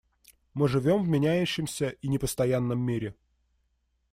Мы живем в меняющемся и непостоянном мире.